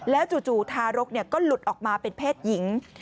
แล้วจู่ทารกเนี่ยก็หลุดออกมาเป็นเพศหญิง